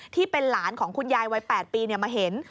ที่เป็นหลานของคุณยายวัย๘ปีมาเห็น